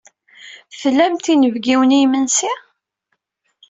Tlamt inebgiwen i yimensi?